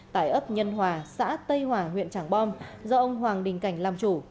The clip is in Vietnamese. tại ấp nhân hòa xã tây hòa huyện trảng bom do ông hoàng đình cảnh làm chủ